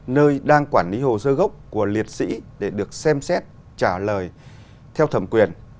nơi đang quản lý hồ sơ gốc của liệt sĩ để được xem xét trả lời theo thẩm quyền